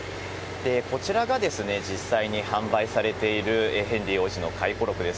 こちらがですね、実際に販売されているヘンリー王子の回顧録です。